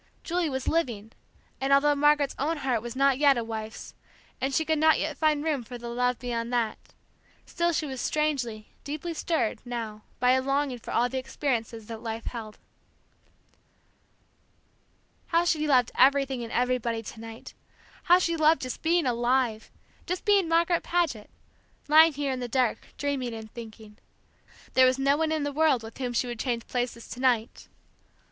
Julie was living; and although Margaret's own heart was not yet a wife's, and she could not yet find room for the love beyond that, still she was strangely, deeply stirred now by a longing for all the experiences that life held. How she loved everything and everybody to night, how she loved just being alive just being Margaret Paget, lying here in the dark dreaming and thinking. There was no one in the world with whom she would change places to night!